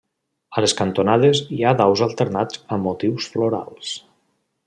A les cantonades hi ha daus alternats amb motius florals.